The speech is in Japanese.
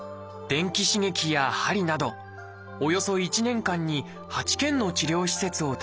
電気刺激やはりなどおよそ１年間に８軒の治療施設を訪ねました。